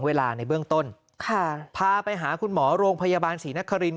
ในเบื้องต้นค่ะพาไปหาคุณหมอโรงพยาบาลศรีนครินท